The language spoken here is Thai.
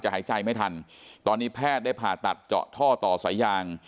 หายใจไม่ทันตอนนี้แพทย์ได้ผ่าตัดเจาะท่อต่อสายยาง